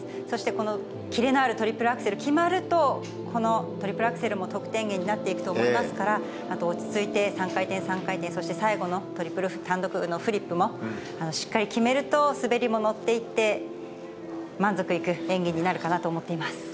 そしてこの切れのあるトリプルアクセル、決まると、このトリプルアクセルも得点源になっていくと思いますから、落ち着いて３回転３回転、そして、最後のトリプル、単独のフリップも、しっかり決めると、滑りも乗っていって、満足いく演技になるかなと思っています。